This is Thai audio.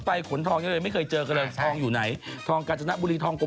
แล้วเราเคยไปนอนกับฉันที่ไหนแบบ